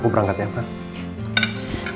aku berangkat ya pak